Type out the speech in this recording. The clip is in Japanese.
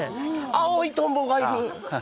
青いトンボがいる。